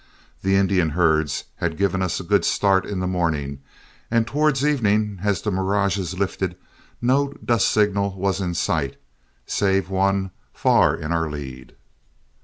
The Indian herds had given us a good start in the morning, and towards evening as the mirages lifted, not a dust signal was in sight, save one far in our lead.